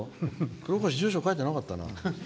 くろこし、住所書いてなかったな。